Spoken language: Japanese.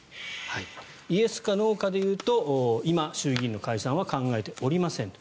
イエスかノーかでいうと今、衆議院の解散は考えておりませんと。